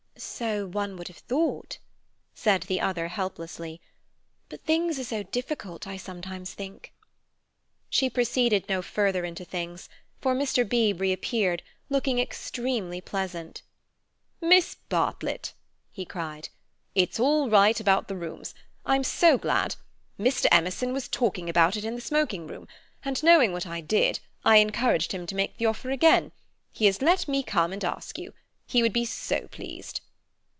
"So one would have thought," said the other helplessly. "But things are so difficult, I sometimes think." She proceeded no further into things, for Mr. Beebe reappeared, looking extremely pleasant. "Miss Bartlett," he cried, "it's all right about the rooms. I'm so glad. Mr. Emerson was talking about it in the smoking room, and knowing what I did, I encouraged him to make the offer again. He has let me come and ask you. He would be so pleased."